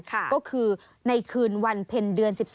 ก็คือในคืนวันเพ็ญเดือน๑๒